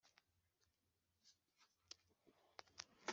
Na nyogokuru Nyiraruhimbi